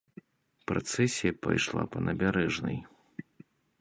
Працэсія прайшла па набярэжнай.